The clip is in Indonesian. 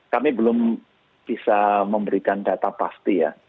kami belum bisa memberikan data pasti ya